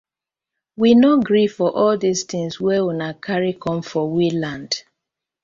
We no gree for all dis tinz wey una karry com for we land.